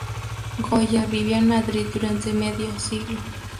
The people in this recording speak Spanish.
Goya vivió en Madrid durante medio siglo.